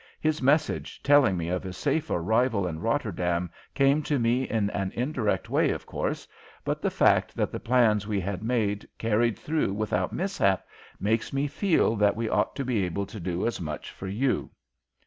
His message telling me of his safe arrival in Rotterdam came to me in an indirect way, of course, but the fact that the plans we had made carried through without mishap makes me feel that we ought to be able to do as much for you."